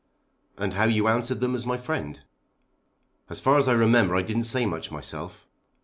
"And how you answered them as my friend." "As far as I remember I didn't say much myself.